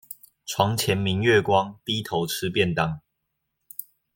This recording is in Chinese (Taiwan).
床前明月光，低頭吃便當